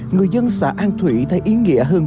người dân xã an thủy thấy ý nghĩa hơn